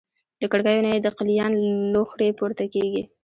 له کړکیو نه یې د قلیان لوخړې پورته کېږي.